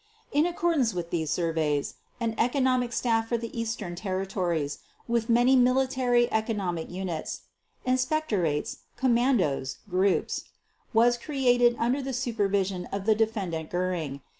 In accordance with these surveys, an economic staff for the Eastern territories with many military economic units (inspectorates, commandos, groups) was created under the supervision of the Defendant Göring.